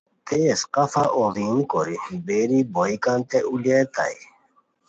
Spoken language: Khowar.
تیز قفہ اوڑین کوری بیری بوئیکرانتے اولیتائے